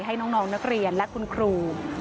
ให้น้องนักเรียนและคุณครู